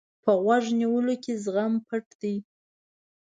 په غوږ نیولو کې زغم پټ دی.